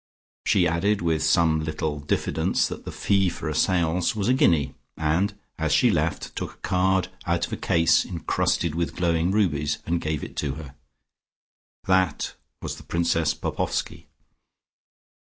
She added with some little diffidence that the fee for a seance was a guinea, and, as she left, took a card out of a case, encrusted with glowing rubies, and gave it her. That was the Princess Popoffski.